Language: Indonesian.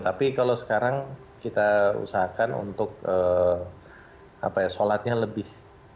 tapi kalau sekarang kita usahakan untuk sholatnya lebih